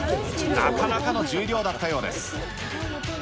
なかなかの重量だったようです。